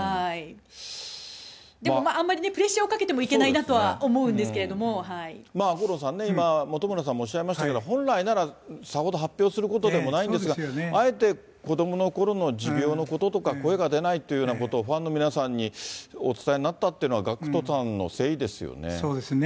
でもあんまりプレッシャーをかけてもいけないなとは思うんで五郎さん、今、本村さんもおっしゃいましたけど、本来なら、さほど発表することでもないんですけれども、あえて子どものころの持病のこととか、声が出ないというようなことを、ファンの皆さんにお伝えになったというのは、ＧＡＣＫＴさんの誠意ですよね。